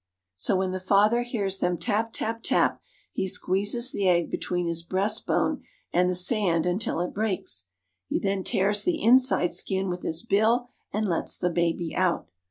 So when the father hears them tap, tap, tap, he squeezes the egg between his breastbone and the sand until it breaks ; he then tears the inside skin with his bill and lets the baby out.